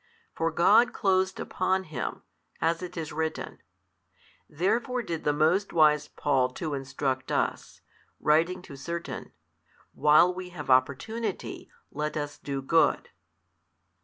For God closed upon him, as it is written. Therefore did the most wise Paul too instruct us, writing to certain, While we have opportunity let us do good.